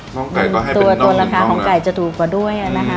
น่องไก่ก็ให้เป็นน่องหนึ่งน่องนะตัวราคาของไก่จะถูกกว่าด้วยนะฮะ